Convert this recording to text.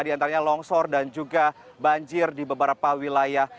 diantaranya longsor dan juga banjir di beberapa wilayah